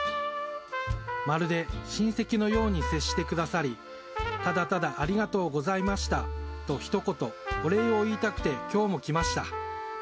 まるで、親戚のように接してくださり、ただただ、ありがとうございましたと、ひと言、お礼を言いたくて、きょうも来ました。